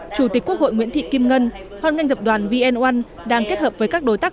chủ tịch quốc hội nguyễn thị kim ngân hoàn ngành tập đoàn vn một đang kết hợp với các đối tác